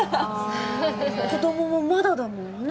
子供もまだだもんね？